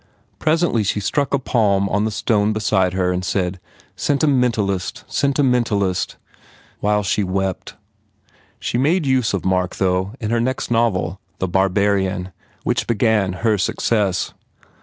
Presently she struck a palm on the stone beside her and said, "Sentimentalist ! Sentimentalist !" while she wept. She made use of Mark, though, in her next novel, The Barbarian, which began her success.